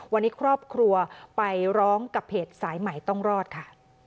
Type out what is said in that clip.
วันนี้ครอบครัวไปร้องกับเพจสายใหม่ต้องรอดค่ะ